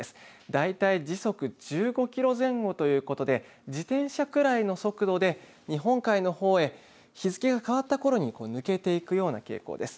だいたい時速１５キロ前後ということで自転車くらいの速度で日本海の方へ日付が変わったころに抜けていくような傾向です。